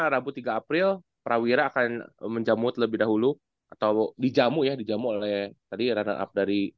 rabu tiga april prawira akan menjamu terlebih dahulu atau dijamu ya dijamu oleh tadi runner up dari